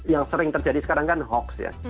yang sering terjadi sekarang kan hoax ya